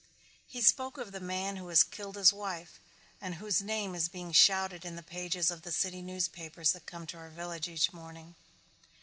He spoke of the man who has killed his wife and whose name is being shouted in the pages of the city newspapers that come to our village each morning.